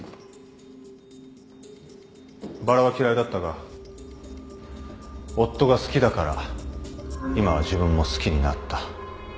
バラは嫌いだったが夫が好きだから今は自分も好きになった。